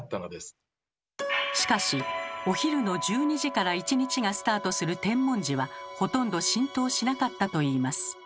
しかしお昼の１２時から１日がスタートする天文時はほとんど浸透しなかったといいます。